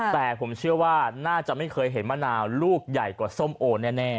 แต่ผมเชื่อว่าน่าจะไม่เคยเห็นมะนาวลูกใหญ่กว่าส้มโอแน่